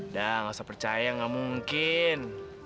dah nggak usah percaya gak mungkin